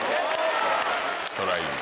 ストライク